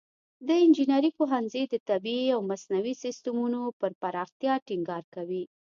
د انجینري پوهنځی د طبیعي او مصنوعي سیستمونو پر پراختیا ټینګار کوي.